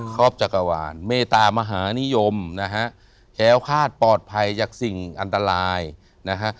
รอบจักรวาลเมตามหานิยมนะฮะแค้วคาดปลอดภัยจากสิ่งอันตรายนะฮะ